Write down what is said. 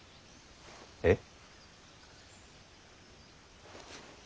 えっ。